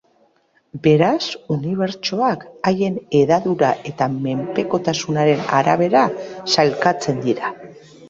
Beraz, unibertsoak haien hedadura eta menpekotasunaren arabera sailkatzen dira.